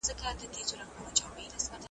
دې کوترو ته ورخلاصه لو فضا وه .